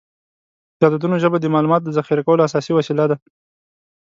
د عددونو ژبه د معلوماتو د ذخیره کولو اساسي وسیله ده.